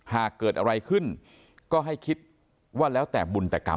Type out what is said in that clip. หากเกิดอะไรขึ้นก็ให้คิดว่าแล้วแต่บุญแต่กรรม